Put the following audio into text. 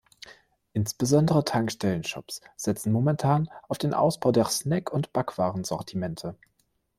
Insbesondere Tankstellen-Shops setzen momentan auf den Ausbau der Snack- und Backwaren-Sortimente.